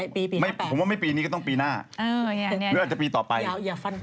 ปี๘ผมว่าไม่ปีนี้ก็ต้องปีหน้าหรืออาจจะปีต่อไปอย่าฟันถ่วง